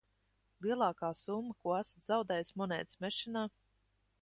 Lielākā summa, ko esat zaudējis monētas mešanā?